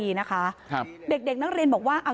เชิงชู้สาวกับผอโรงเรียนคนนี้